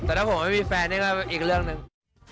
แต่ถ้าผมไม่มีแฟนนี่ก็อีกเรื่องหนึ่ง